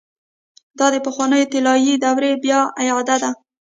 دا د پخوانۍ طلايي دورې بيا اعاده ده.